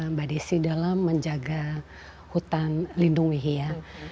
mbak desi dalam menjaga hutan lindung wehiya